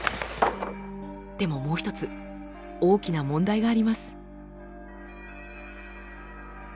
でももう一つ大きな問題があります。